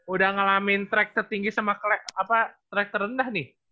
udah ngalamin track tertinggi sama track terendah nih